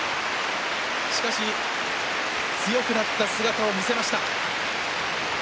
しかし強くなった姿を見せました。